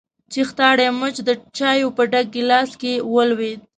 چختاړي مچ د چايو په ډک ګيلاس کې ولوېد.